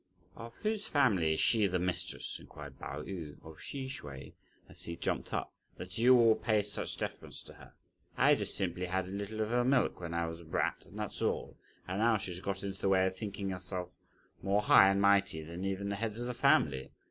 "Of whose family is she the mistress?" inquired Pao yü of Hsi Hsüeh, as he jumped up, "that you all pay such deference to her. I just simply had a little of her milk, when I was a brat, and that's all; and now she has got into the way of thinking herself more high and mighty than even the heads of the family!